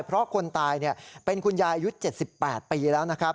เพราะคนตายเป็นคุณยายอายุ๗๘ปีแล้วนะครับ